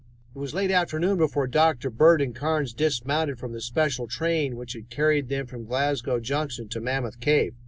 It was late afternoon before Dr. Bird and Carnes dismounted from the special train which had carried them from Glasgow Junction to Mammoth Cave.